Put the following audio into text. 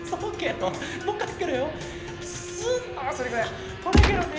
あっこれケロね！